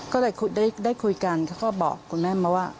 ก็เลยได้คุยกันเขาก็บอกคุณแม่มาว่า